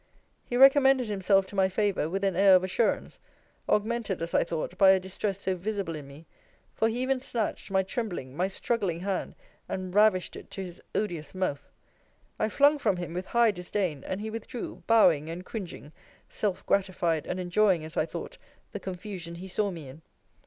He recommended himself to my favour with an air of assurance; augmented, as I thought, by a distress so visible in me; for he even snatched my trembling, my struggling hand; and ravished it to his odious mouth. I flung from him with high disdain: and he withdrew, bowing and cringing; self gratified, and enjoying, as I thought, the confusion he saw me in.